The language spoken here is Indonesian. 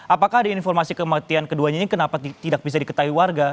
apakah ada informasi kematian keduanya ini kenapa tidak bisa diketahui warga